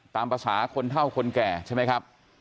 ตามภาษาคนเท่าคนแก่ใช่ไหมครับ